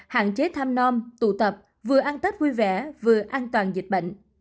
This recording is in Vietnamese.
hạn chế tham non tụ tập vừa ăn tết vui vẻ vừa an toàn dịch bệnh